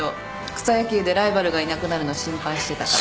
草野球でライバルがいなくなるの心配してたから。